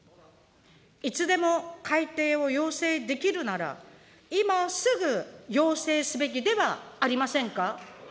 いつでも改定を要請できるなら、今すぐ要請すべきではありませんか。